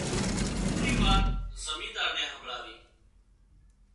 پُورِي وات زمينۮار نين همڀۯاوي